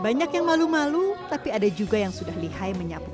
banyak yang malu malu tapi ada juga yang sudah lihai menyapu